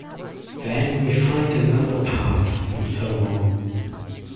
Then we find another path, and so on.